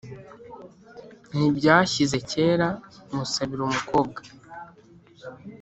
Ntibyashyize kera, Musabira umukobwa